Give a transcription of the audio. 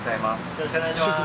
よろしくお願いします。